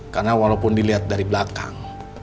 karena walaupun dilihat dari belakang